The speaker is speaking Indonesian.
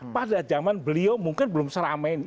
pada zaman beliau mungkin belum seramai ini